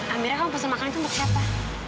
amirah kamu pesen makanan itu buat siapa